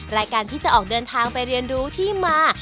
รายการที่จะออกเดินทางไปเรียนรู้ที่มา